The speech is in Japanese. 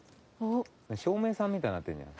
照明さんみたいになってるじゃん。